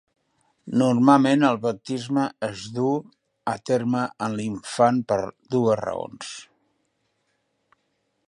Normalment, el baptisme es duu a terme en l'infant per dues raons.